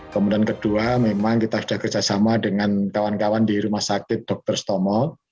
kemudian kedua memang kita sudah kerjasama dengan kawan kawan di rumah sakit dr stomo